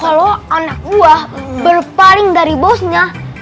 kalau anak buah berpaling dari bosnya